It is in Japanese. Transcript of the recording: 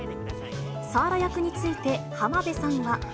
サーラ役について、浜辺さんは。